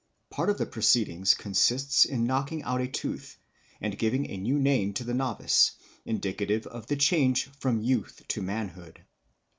Part of the proceedings consists in knocking out a tooth and giving a new name to the novice, indicative of the change from youth to manhood.